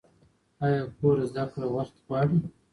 ایا کور زده کړه وخت غواړي؟